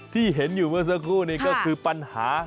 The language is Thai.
ที่เห็นอยู่เมื่อสักครู่นี้ก็คือปัญหา